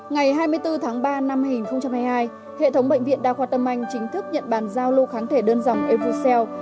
ngày hai mươi bốn tháng ba năm hai nghìn hai mươi hai hệ thống bệnh viện đa khoa tâm anh chính thức nhận bàn giao lưu kháng thể đơn dòng evo cell